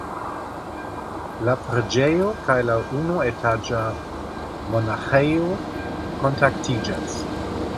La preĝejo kaj la unuetaĝa monaĥejo kontaktiĝas.